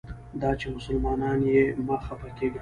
دا چې مسلمان یې مه خپه کیږه.